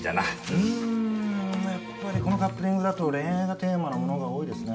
うんやっぱりこのカップリングだと恋愛がテーマなものが多いですね。